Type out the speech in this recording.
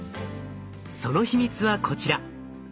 その秘密はこちら。